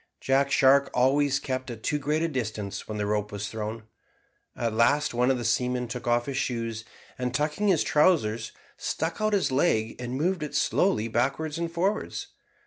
Jack Shark always kept at too great a distance when the rope was thrown. At last one of the seamen took off his shoes, and, tucking up his trousers, stuck out his leg and moved it slowly backwards and forwards.